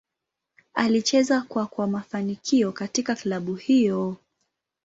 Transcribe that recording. Alicheza kwa kwa mafanikio katika klabu hiyo.